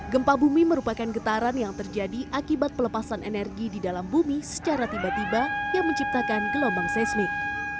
gempa bumi merupakan getaran yang terjadi akibat pelepasan energi di dalam bumi secara tiba tiba yang menciptakan gelombang seismik